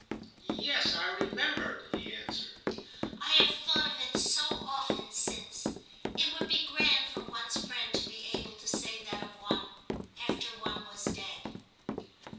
* Yes, I remember,' he answered. ' I have thought of it so often since. It would be grand for one's friend to be able to say that of one, after one was dead.